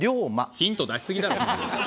ヒント出しすぎだろ。